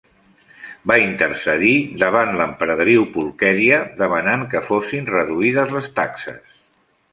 Va intercedir davant l'emperadriu Pulquèria demanant que fossin reduïdes les taxes.